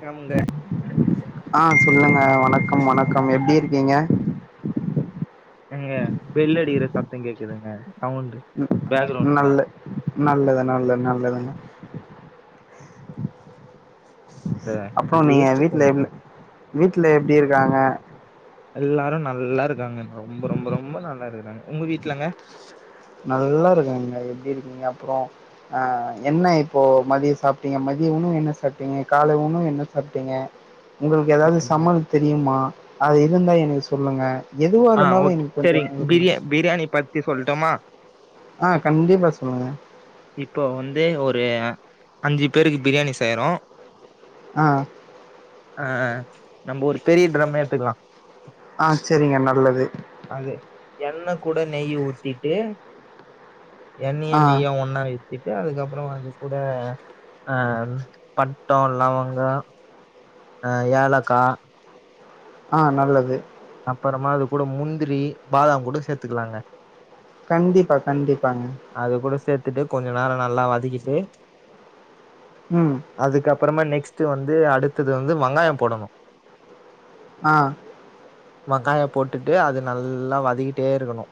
க்ரமுங்க ஆ சொல்லுங்க வணக்கம் வணக்கம் எப்டி இருக்கீங்க எங்க பெல்லடிக்கற சத்தோ கேக்குதுங்க சவுண்டு பேக்ரவுண்ட் நல்ல சவுண்ட் நல்லது நல்லது நல்லதுங்க இந்த அப்றோ நீங்க வீட்ல கையேத்துக்குங்க இல்ல வீட்ல எப்டி இருக்காங்க எல்லாரு நல்லாருக்காங்கங்க ரொம்ப ரொம்ப ரொம்ப நல்லா இருக்கறாங்க உங்க வீட்லங்க நல்லாருக்காங்க எப்டி இருக்கீங்க அப்றோ ஆ என்ன இப்போ மதியொ சாப்டீங்க மதிய உணவு என்ன சாப்டீங்க காலை உணவு என்ன சாப்டீங்க [inaudible] உங்ளுக்கு ஏதாது இப்ப சம்மல் தெரியுமா அது இருந்தா எங்ளுக் சொல்லுங்க எதுவா ஆ இருந்தாலு ஓகே இன்னிக் கொஞ்சோ சரிங்க நீங் பிரியா பண்ணுங்க பிரியாணி பத் தி சொல்ட்டுமா ஆ கண்டிப்பா சொல்லுங்க இப்போ வந்து ஒரு அஞ்சு பேருக்கு பிரியாணி செய்யரோ ஆ ஆ நம்ப ஒரு டிரம்மே எத்துக்லா ஆ செரிங்க நல்லது அது எண்ண கூட நெய் ஊத்திட்டு எண்ணெயு ஆ நெய்யு ஒன்னாவே விட்டு அதுக்கப்றோ வந்து கூட ஆ பட்டோ லவங்கோ ஆ ஏலக்கா ஆ நல்லது அப்பறமா அது கூட முந்திரி பாதாம் கூட சேத்துக்கலாங்க கண்டிப்பா கண்டிப்பாங்க அது கூட சேத்துட்டு கொஞ்ச நேரோ நல்லா வதக்கிட்டு ம் அதுகப்றமா நெக்ஸ்ட் வந்து அடுத்தது வந்து வங்காயோ போடணு ஆ வங்காயோ போட்டுட்டு அது நல்லா வதக்கிட்டே இருக்கணு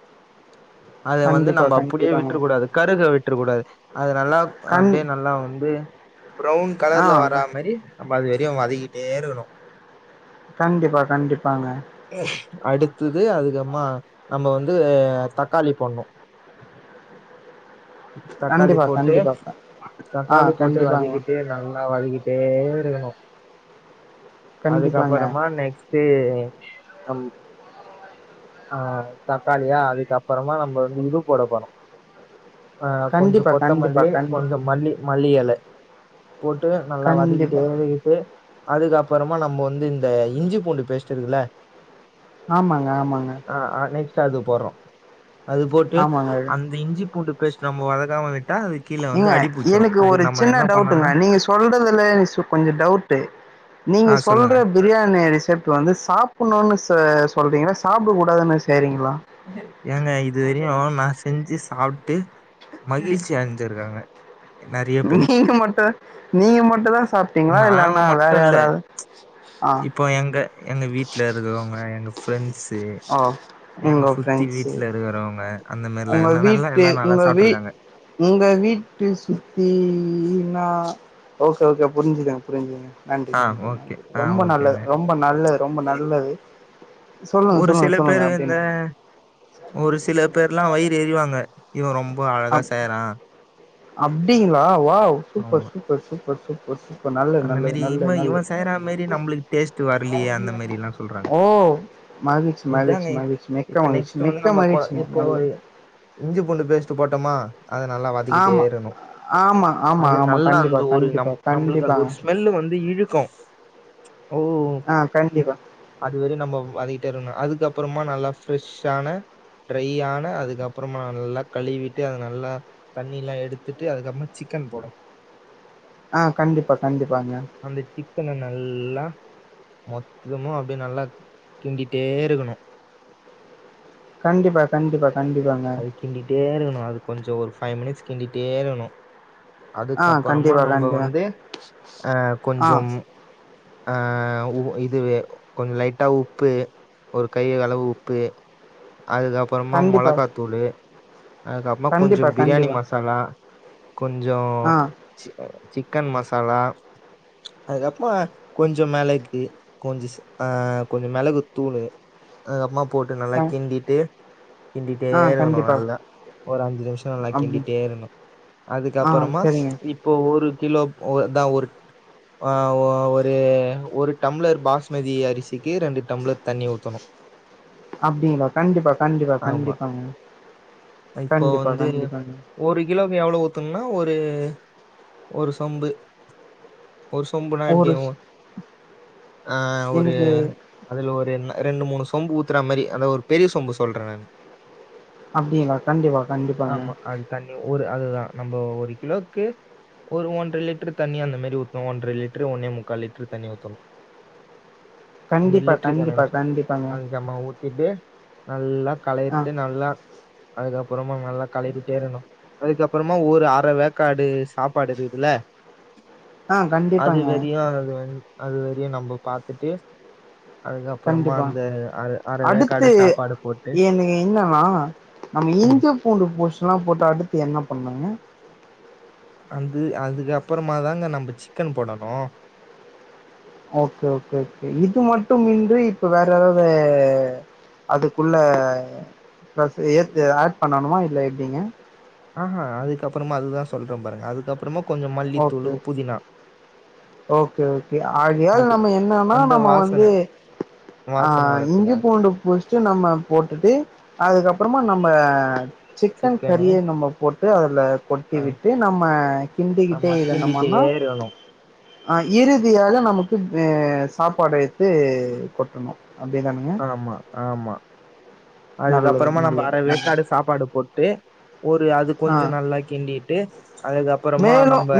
அத வந்து கண்டிப்பா நம்ப அப்டியே கண்டிப்பாங்க விட்ர கூடாது கருக விட்ர கூடாது அது நல்லா கண் அப்டியே நல்லா வந்து ப்ரவுன் ஆ கலர்ல வரா க மேரி நம்ப அது வரியு வதக்கிட்டே இருக்கணு கண்டிப்பா கண்டிப்பாங்க அடுத்துது அதுக்கப்மா நம்ம வந்து தக்காளி போட்ணு தக்காளி கண்டிப்பா போட்டு கண்டிப்பாக்கா ஆ தக்காளி போட்டு கண்டிப்பாங்க வதக்கிட்டே நல்ல ஆ வதக்கிட்டே இருக்கணு கண்டிப்பாங்க அதுக்கப்பறமா நெக்ஸ்ட்டு உ அம் ஆ தக்காளியா அதுக்கப்றமா நம்ப வந்து இது போட போறோ ஆ கொஞ்சோ கண்டிப்பா கண்டிப்பா கொத்தமல்லி கண்டி கொஞ்சோ மல்லி மல்லியேல போட்டு நல்லா கண்டிப்பா வதக்கிட்டேழுகிட்டு அதுக்கப்பறமா நம்ம வந்து இந்த இஞ்சி பூண்டு பேஸ்ட்டு இருக்குல ஆமாங்க ஆமாங்க ஆ ஆ நெக்ஸ்ட் அது போட்றோ அது போட்டு ஆமாங்க அந்த இஞ்சி பூ பூண்டு பேஸ்ட் நம்ம வதகாமவிட்டா அது கீழே வந்து ஏங்க அடிபிடிச்சிரும் எனக்கு அதுக்கு ஒரு நம்ம சின்ன என்ன பண்ணோம்னா டவுண்டுகங்க நீங்க சொல்றதுல கொஞ்சோ டவுட்டு நீங்க ஆஹ் சொல்லுங்க சொல்ற பிரியாணி அரிசியப் இப்ப வந்து சாப்புன்னு சொ சொல்றீங்களா சாப்ட கூடாதுன்னு செய்ரீங்களா ஏங்க இதுவரையு நா செஞ்சு சாப்ட்டு மகிழ்ச்சி அடஞ்சிருக்காங்க நீங்க மட்டு நீங்க மட்டுதா சாப்ட்டீங்களா நாங்க இல்லனா வேற மட்டும் இல்ல யாராவது ஆ இப்போ ‌எங்க எங்க வீட்லருக்கறவங்க எங்க ஃப்ரெண்ட்ஸு ஆ எங்க உங்க சு ஃப்ரெண்ட்ஸு வீட்ல இருக்கறவங்க அந்த மாரிலா உங்க நல்லா நல்லா வீட்டு எல்லாரு நல்லா உங்க வீ சாப்ட்ருக்காங்க உங்க வீட்டு சுத்தினா ஓகே ஓகே புரிஞ்சுதுங்க புரிஞ்சுதுங்க நன்றி ஆ நன்றி ஓகே. நன்றி ஆ ரொம்ப நல்லது ஓகேங்க. ரொம்ப நல்லது ரொம்ப நல்லது சொல்லுங்க ஒரு சொல்லுங்க சில சொல்லுங்க பேரு அப்டின் இந்த ஒரு சில பேர்லா வயிற ஏறிவாங்க இவ ரொம்ப அழகா அப் செய்றா அப்டிங்களா வாவ் சூப்பர் ஆமா. சூப்பர் சூப்பர் சூப்பர் சூ இப்ப நல்ல அந்த நல்ல மாரி நல்ல இவன் நல்ல இவன் செய்றா மாரி நம்மளுக்கு டேஸ்ட் வரலையே! அந்த மாரிலாம் சொல்றாங்க. ஓ மகிழ்ச்சு மகிழ்ச்சு இதாங்க மகிழ்ச்சு மிக்க இப்ப மகிழ்ச்சு நெக்ஸ்ட் வந்து மிக்க நம்ம கொ மகிழ்ச்சுங்க இப்போ நல்ல இஞ்சி பூண்டு பேஸ்ட்டு போட்டமா அத நல்லா வதக்கிட்டே ஆமா இருக்கணு ஆமா ஆமா அது ஆமா நல்லா கண்டிப்பா அந்து ஒரு கண்டிப்பா நம் நம்ளுக்கு அந்த கண்டிப்பாங்க ஒரு ஸ்மெல்லு வந்து இழுக்கு ஓ ஆ கண்டிப்பா அதுவரையு நம்ம வதக்கிட்டே இருக்கனு அதுக்கு அப்பறமா நல்லா ஃப்ரெஷான ட்ரையான அதுக்கு அப்பறமா நல்லா கழுவிட்டு அத நல்லா தண்ணிலா எடுத்துட்டு அதுக்கப்மா சிக்கன் போடனு ஆ கண்டிப்பா கண்டிப்பாங்க அந்த சிக்கன நல்லா மொத்தமு அப்டியே நல்லா கிண்டிட்டே இருக்கணு கண்டிப்பா கண்டிப்பா கண்டிப்பா அது கிண்டிட்டே இருக்கணு அது கொஞ்சோ ஒரு ஃபைவ் மினிட்ஸ் கிண்டிட்டே இருக்கனு ஆ அதுக்கப்பறோமா கண்டிப்பா, நம்ப கண்டிப்பா. வந்து அ ஆ கொஞ்சம் ஆ உ இதுவே கொஞ்ச லைட்டா உப்பு ஒரு கையளவு உப்பு அதுக்கு அப்பறமா கண்டிப்பா, மொளகாத்து குள்ளயே அதுக்கப்றமா கொஞ்சோ கண்டிப்பா, பிரியாணி கண்டிப்பா. மசாலா கொஞ்சோ ஆ ச் சிக்கன் மசாலா அதுக்கப்மா கொஞ்சோ மெளகு கொஞ்சோ சீஆ கொஞ்சோ மெளகு தூளு அதுகப்மா போட்டு க நல்லா கிண்டிட்டு டே ஆ இருக்கனு கண்டிப்பா. நல்லா ஒரு அஞ்சு நிமிஷோ நல்லா அப்டி கிண்டிட்டே இருக்கனு ஆ அதுக்கப்பறமா சரிங்க. இப்போ ஒரு கிலோ ஒரு தா ஒரு ஆ ஒ ஒரு டம்ளர் பாஸ்மதி அரிசி கே ரெண்டு டம்ளர் தண்ணி ஊத்தணு அப்டிங்களா கண்டிப்பா கண்டிப்பா ஆமா கண்டிப்பாங்க இப்போ கண்டிப்பா வந்து கண்டிப்பாங்க ஒரு கிலோக்கு எவ்ளோ ஊத்தனுனா ஒரு ஒரு சொம்பு ஒரு சொம்புனா ஒரு எப்டியு ஸ் ஆ ஒரு எனக்கு அதுல ஒரு என்ன ரெண்டு மூணு சொம்பு ஊத்துற மாரி அந்த ஒரு பெரிய சொம்பு சொல்ற நானு அப்டிங்ளா கண்டிப்பா கண்டிப்பாங்க ஆமா அது தண்ணி ஒரு அதுதா நம்ப ஒரு கிலோக்கு ஒரு ஒன்றர லிட்ரு தண்ணி அந்தமாரி ஊத்தணு ஒன்ற லிட்ரு ஒன்னே முக்கா லிட்ரு தண்ணி ஊத்தணு அந்த கண்டிப்பா, லிட்ரு கணக்ல கண்டிப்பா, சொல்ற கண்டிப்பாங்க. அதிகமா ஊத் திட்டு நல்லா ஆ களறிட்டு நல்லா அதுக்கப்றோமா நல்லா களறிட்டே இருக்கணு அதுக்கப்பறமா ஒரு அர வேக்காடு சாபாடு இருக்குல ஆ கண்டிப்பாங்க, அதுவரையு அது வந் அதுவரையு நம்ப பாத்துட்டு அதுக்கப்பறமா கண்டிப்பா. அந்த அர அர அடுத்து வேக்காடு சாபாடு போட்டு எனக்கு என்னன்னா நம்ம ம் இஞ்சு பூண்டு பேஸ்லா போட்டு அடுத்து என்ன பண்ணாங்க அது அதுக்கு அப்பறமா தாங்க நம்ப சிக்கன் போடணு ஓகே ஓகே ஓகே இது மட்டும்யின்றி இப்ப வேற ஏதாவது அதுக்குள்ள ப்ளஸ்சு ஏத்துஆட் பண்ணணுமா இல்ல எப்டிங்க ஆ அ அதுக்கப்றமா அதுதா சொல்ற பாருங்க அதுக்கப்றமா கொஞ்ஜோ ஓகே, மல்லித்தூளு புதினா ஓகே ஓகே ஆகையால அது நம்ப என்னன்னா அந்த நம்ப வந்து வாசனை ஆ வாசனை இஞ்சி வர்றதுக்காக. பூண்டு பேஸ்டு நம்ப போட்டுட்டு அதுக்கப்றமா நம்ப சிக்கன் சிக்கனு கறிய நம்ப போட்டு அதுல கொட்டி ஆ விட்டு நம்ம கிண்டிக்கிட்டே ஆமா கிண்டிட்டே இருந்தமென்னா இருக்கணும். அ இறுதியாக நமக்கு மே சாப்பாடு வைத்து கொட்டணு அப்டி என்ன பண்ணிங் ஆமா ஆமா நல்லது, அதுக்கப்றமா நம்ப நல்லது, நல்லது. அரவேக்காடு சாபாடு போட் ட்டு ஒரு அது ஆ. கொஞ்ஜோ நல்லா கிண்டிட்டு அதுக்கப்றமா நம்ப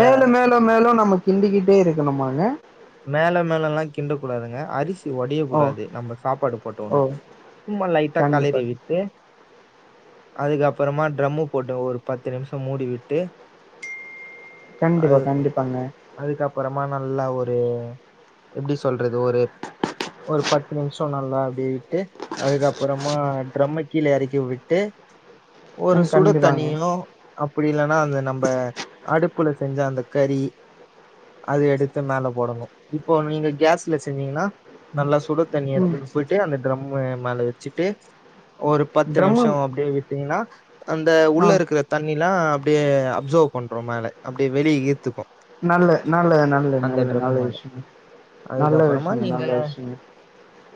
மேலு மேலு நம்ப கிண்டிக்கிட்டே இருக்கணுமாங்க மேல மேலுல கிண்டக்கூடாதுங்க அரிசி சி ஒடைய ஓ! கூடாது நம்ப சாப்பாடு போட்ட ஓ! ஒடனே சும்மா லைட்டா கண்டிப்பா. களறி விட்டு அதுக்கப்றமா டிரம்மு போட்டு ஒரு பத்து நிம்ஷோ மூடி விட்டு கண்டிப்பா கண்டிப்பாங்க அதுக்கப்றமா நல்லா ஒரு ஒரு எப்டி சொல்றது ஒரு ஒரு பத்து நிம்ஷோ நல்ல அப்டி விட்டு அதுக்கப்றமா டிரம்ம கீழ எறக்கி விட்டு ஒரு ம். சுடு கண்டிப்பாங்க. தண்ணிலு அப்டி இல்லனா அந்த நம்ப அடுப்புல செஞ்ச அந்த கறி அது எடுத்து மேல போடணு இப்போ நீங்க கேஸ்ல செஞ்சீங்னா நல்லா சுட தண்ணிய ம். எஏத்து போயிட்டு அந்த டிரம்மு மேல வச்சிட்டு ஒரு பத்து ட்ரம்மு நிம்ஷோ அப்டே விட்டீங்ன்னா அந்த ஆ. உள்ள இருக்குற தண்ணில அப்டியே அப்சர்வ் பண்று மேல அப்டே வெளி ஈர்த்துக்கு நல்ல நல்லது, நல்லது, அந்த நல்லது, டிரம்மு நல்ல மேல விஷயங்க. நல்ல அதுக்கப்றமா விஷயங்க, நீங்க நல்ல விஷயங்க.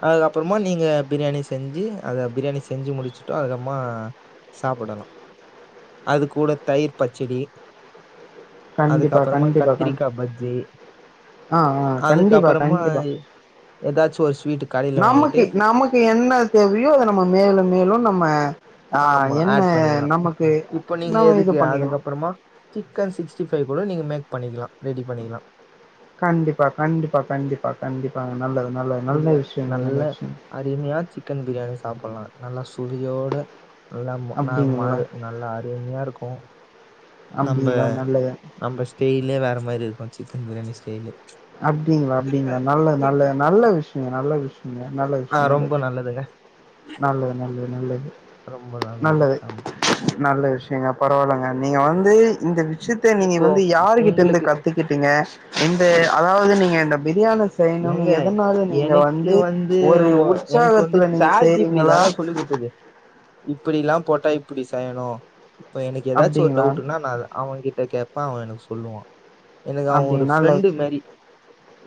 அதுக்கப்றமா நீங்க பிரியாணி செஞ்சி அத பிரியாணி செஞ்சி முடிச்சிட்டோ அதுக்கப்றமா சாப்டலா அது கூட தயிர் பச்சடி கண்டிப்பா, அதுக்கப்றமா கண்டிப்பா, கண் கத்திரிக்கா பஜ்ஜி ஆ, ஆ. கண்டிப்பா, அதுக்கப்றமா கண்டிப்பா. ஏதாச்சு ஒரு ஸ்வீட்டு கடையில வாங்கிட்டு தே வியு நம்ம மேலு மேலு நம்ம ஆ ஆமா என்ன ஆட் பண்ணிக்கலா நமக்கு இப்போ நீங்க நம்ம இது எதுக்கு பண்ணிக்கலாம். அதுக்கப்றமா சிக்கன் சிக்ஸ்டி ஃபைய் கூட நீங்க மேக் பண்ணிக்லா ரெடி பண்ணிக்லா கண்டிப்பா கண்டிப்பா கண்டிப்பா கண்டிப்பா நல்லது நல்லது நல்ல விஷயங்க நல்ல விஷயோ அருமியா சிக்கன் பிரியாணி சாப்பலா நல்லா சுவியோட நல்லா மொ நா அப்டிங்களா? மாறு நல்லா அருமியாருக்கு நம்ப அப்டிங்களா நல்லது நம்ப ஸ்டைலே வேற மாரிருக்கு சிக்கன் பிரியாணி ஸ்டைலு அப்டிங்ளா அப்டிங்ளா நல்ல நல்ல நல்ல விஷ்யங்க நல்ல விஷ்யங்க நல்ல ஆ விஷ்யோ நல்ல ரொம்ப விஷ்யோ நல்லதுங்க நல்லது நல்லது நல்லது ரொம்ப நல்லது ஆமா நல்ல விஷ்யங்க பரவால்லங்க நீங்க வந்து இந்த விஷ்யத்த நீங்க இப்போ வந்து யாரு கிட்டருந்து உங்களுக்கு கத்து கிட்டீங்க இந்த அதாவுது நீங்க இந்த பிரியாணோ செய்ணுனு ஏங்க நீங்க எதனால நீங்க எனக்கு வந்து ஒரு உற்சாகத்துல நீங்க இப்டி செய்றீங்களா தாங்க சொல்லி குடுத்துது இப்டிலா போட்டா இப்டி செயணு இப்ப எனக்கு எதாச்சு ஒரு அப்டிங்களா டவுடுன்னா நா அத அவங்கிட்ட கேப்பே அவே எனக்கு சொல்லுவா எனக்கு அவ அப்டி ஒரு நல்ல ஃப்ரெண்டு விஷயம் மாரி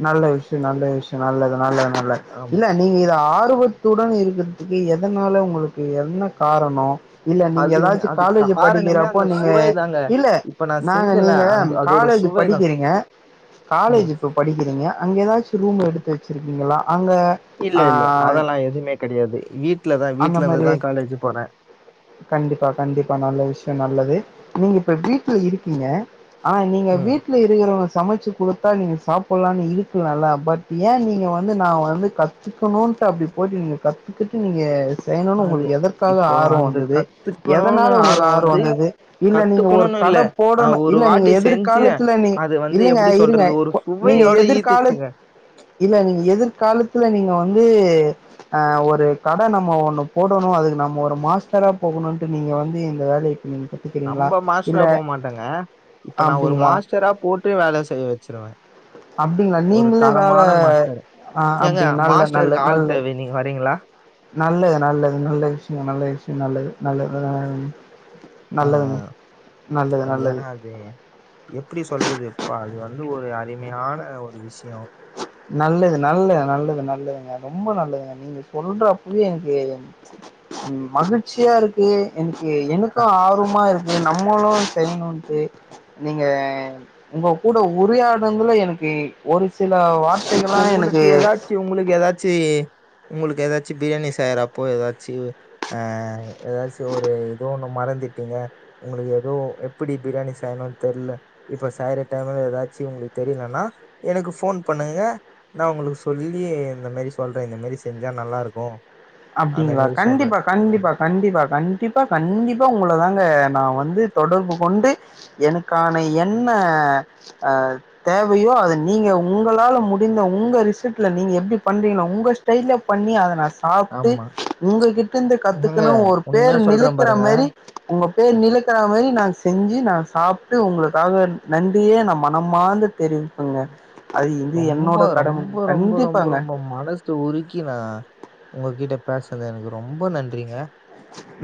நல்ல விஷ்யோ நல்ல விஷ்யோ நல்லது நல்லது நல்லது ஆமா இல்ல நீங்க இத ஆர்வத் இத்துடன் இருக்கிறதுக்கு எதனால உங்களுக்கு என்ன காரணோ இல்ல நீங்க அது எதாச்சு அது காலேஜ் காரணமே படிக்கிறப்போ அந்த நீங்க சுவை தாங்க இல்ல இப்ப நா நாங்க செஞ்சல நீங்க அந்த அதோட காலேஜ் சுவைதா படிக்கிறீங்க காலேஜ் ம் இப்ப படிக்கிறீங்க அங்கே எதாச்சு ரூம் எடுத்து வெச்சிருக்கீங்ளா அங்க ஆ இல்லல்ல அதெல்லா எதுமே கெடையாது வீட்லதா அந்த வீட்ல மாரி இருந்துதா காலேஜ் போறே கண்டிப்பா கண்டிப்பா நல்ல விஷ்யோ நல்லது நீங்க இப்ப வீட்ல இருக்கீங்க ஆ நீங்க ம் வீட்ல இருக் [unintelligible] சமச்சு குடுத்தா நீங்க சாப்பட்லான் இழுக்கலால்ல பட் ஏ நீங்க வந்து நா வந்து கத் துக்கணுன்ட்டு அப்டி போயிட்டு நீங்க கத்துக்கிட்டு நீங்க செய்ணுனு அது உங்களுக்கு எதற்காக இப்போ ஆர்வோ அந்த வந்து து கத்துக்கணும்னு எதனால உங்களுக்கு ஆர்வோ வந்து வந்துது இல்ல நீங்க ஒரு கத்துக்கணும்னு கட இல்ல நா போடணு ஒரு இல்ல நீங்க வாட்டி செஞ்சு எதிர்காலத் தில நீ அது வந்து இல்லங்க எப்டி இருங்க சொல்றது ஒரு நீங்க சுவையோட எதிர்காலத் ஈர்த்துச்சுங்க இல்ல நீங்க எதிர்காலத்துல நீங்க வந்து ஆ ஒரு கட நம்ம ஒண்ணு போடணு அதுக்கு நம்ம ஒரு மாஸ்ட்ரா போகணுன்ட்டு நீங்க வந்து இந்த வேலய [unintelligible] நம்ப மாஸ்ட்ரா போ மாட்டங்க இப்ப நா ஒரு அப்டிங்களா? மாஸ்ட்ரா போட்டு வேல செய் வெச்சிருவே அப்டிங்ளா நீங்களே வேற மாஸ்டர் ஆ ஏங்க அப்டிங்ளா நல்ல நல்ல மாஸ்டருக்கு ஆள் நல்ல தேவை நீங்க வரீங்களா நல்லது நல்லது நல்ல விஷ்யோ நல்ல விஷ்யோ நல்லது நல்ல ஆ ஆ நல்லதுங்க நல்லது அது நல்லது ஏன்னா அது எப்டி சொல்றது பா அது வந்து ஒரு அருமையான ஒரு விஷ்யோ நல்லது நல்ல நல்லது நல்லதுங்க ரொம்ப நல்லதுங்க நீங்க சொல்ற அப்பய எனக்கு மகிழ்ச்சியா இருக்கு எனக்கு எனக்கு ஆ ஆர்வமா இருக்கு நம்மளு செய்ணுன்ட்டு நீங்க உங்க கூட உரையாடுன்துல எனக்கு ஒரு சில வார்த்தைகள்லா எனக்கு டி உங்களுக்கு எதாச்சி உங்களுக்கு ஏதாச்சி பிரியாணி செய்றப்போ எதாச்சு அ எதாச்சு ஒரு இது ஒன்னு மறந்துட்டீங்க உங்களுக் எதோ எப்பிடி பிரியாணி செய்ணுன் தெர்ல இப்ப செய்ற டைம்ல எதாச்சு உங்களுக்கு தெரியலன்னா எனக்கு போன் பண்ணுங்க நா உங்களுக்கு சொல்லி இந்த மாரி சொல்றே இந்த மாரி செஞ்சா நல்லா இருக்கு அப்டிங்ளா கண்டிப்பா கண்டிப்பா கண்டிப்பா கண்டிப்பா கண்டிப்பா உங்கள தாங்க நா வந்து தொடர்பு கொண்டு எனக்கான என்ன அ தேவையோ அது நீங்க உங்களால முடிந்த உங்க ரிசல்ட்ல நீங்க எப்டி பண்றீங்ளோ உங்க டெய்ல பண்ணி அத நா சாப் து ஆமா உங்ககிட்டருந்து ஏங்க கத்துக்கணு ஒரு பேரு உண்மையா சொல்றேன் நிலைக்கிற பாருங்க மாரி உங்க பேர் நிலைக்கற மாரி நா செஞ்சு நா சாப்ட்டு உங்களுக்காக நன் நன்றிய நா மனமாந்து தெரிவிப்பங்க அது இது ரொம்ப என்னோட கடமைங்க கண்டிப்பாங்க சு உருக்கி நா உங்ககிட்ட பேஸ்னது எனக்கு ரொம்ப நன்றிங்க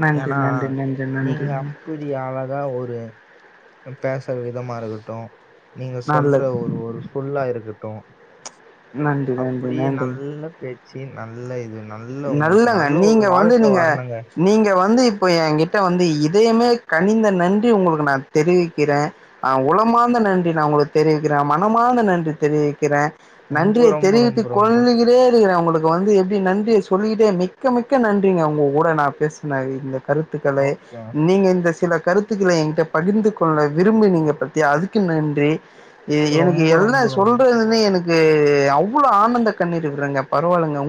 நன்றி, ஏனா நன்றி, நன்றி, நீங்க நன்றிங்க. அப் பிடி அழகா ஒரு அ பேசற விதமா இருக்கட்டு நீங்க நல்லது. சொல்ற ஒரு ஒரு சொல்லா இருக்கட்டு நன்றி நன்றி அப்பிடியே நன்றி நல்ல பேச்சு நல்ல இது நல்ல உங்களுக்கு நல்லங்க நல்ல ஒரு நீங்க வந்து வாழ்க்க நீங்க வர்ணுங்க நீங்க வந்து இப்போ எங்கிட்ட வந்து இதயமே கனிந்த நன்றி உங்களுக்கு நா தெரிவிக்கிறே ஆ உளமார்ந்த நன்றி நா உங்களுக் தெரிவிக்கிறே மனமார்ந்த நன்றி தெரிவிக்கிறே ரொம்ப நன்றியை ரொம்ப தெரிவித்து ரொம்ப ரொம்ப கொள்ளுகிறேனுக்கிற உங்களு க் வந்து எப்பிடி நன்றிய சொல்லுகிறேன் மிக்க மிக்க நன்றிங்க உங்க கூட நா பேஸ்னது இந்த கருத்துக்கள ஓகேங்க நீங்க இந்த சில கருத் துக்கள எங்கிட்ட பகிர்ந்து கொள்ள விரும்புனீங்க பாத்தியா அதுக்கு நன்றி எனக்கு ரொம்ப என்ன ரொம்ப ரொம்ப சொல்றதுன்னே எனக்கு அவ்ளோ ஆனந்த கண்ணீரு விட்றங்க பரவால்லங்க உங்